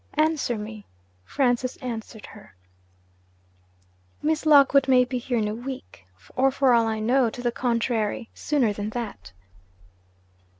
'Answer me.' Francis answered her. 'Miss Lockwood may be here in a week. Or, for all I know to the contrary, sooner than that.'